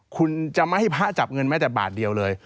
คุณจะไม่ให้พระจับเงินแม้แต่บาทเดียวเลย